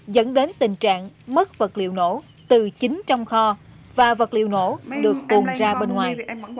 dẫn đến tình trạng mất vật liệu nổ từ chính trong kho và vật liệu nổ được tuồn ra bên ngoài